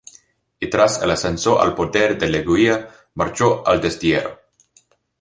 Y tras el ascenso al poder de Leguía, marchó al destierro.